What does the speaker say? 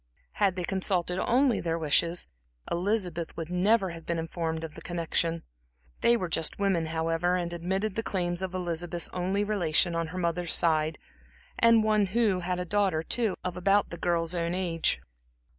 Had they consulted only their wishes, Elizabeth would never have been informed of the connection. They were just women, however, and admitted the claims of Elizabeth's only relation on her mother's side, and one who had a daughter, too, of about the girl's own age.